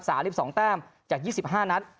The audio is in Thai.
สาริบ๒แต้มจาก๒๕นัท